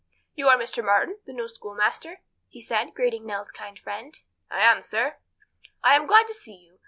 "You are Mr. Marton, the new schoolmaster?" he said, greeting Nell's kind friend. "I am, sir." "I am glad to see you.